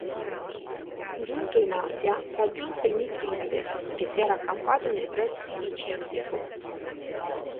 Giunto in Asia, raggiunse Mitridate, che si era accampato nei pressi di Cizico.